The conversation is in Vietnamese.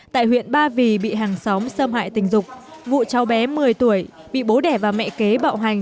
tại huyện ba vì bị hàng xóm xâm hại tình dục vụ cháu bé một mươi tuổi bị bố đẻ và mẹ kế bạo hành